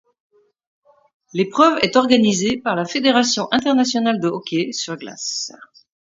L'épreuve est organisée par la Fédération internationale de hockey sur glace.